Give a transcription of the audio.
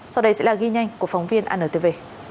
sau đây sẽ là ghi nhanh của phóng viên antv